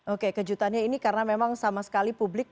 oke kejutannya ini karena memang sama sekali publik